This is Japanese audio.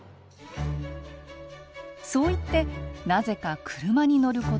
そう言ってなぜか車に乗ること